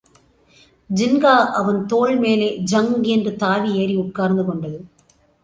ஜின்கா அவன் தோள்மேலே ஜங் என்று தாவி ஏறி உட்கார்ந்து கொண்டது.